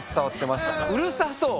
うるさそう？